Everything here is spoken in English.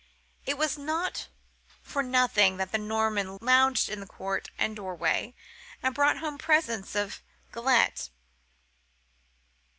It was not for nothing that the Norman farmer lounged in the court and doorway, and brought home presents of galette.